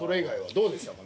どうでしたか？